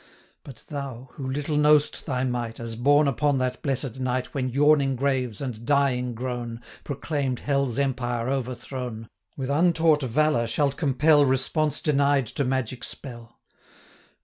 405 But thou, who little know'st thy might, As born upon that blessed night When yawning graves, and dying groan, Proclaim'd hell's empire overthrown, With untaught valour shalt compel 410 Response denied to magic spell."